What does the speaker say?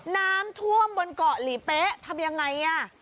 น้ำท่วมบนเกาะหลีเป๊ะทำยังไงอ่ะ